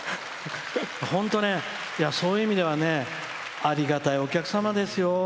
本当ね、そういう意味ではありがたいお客様ですよ。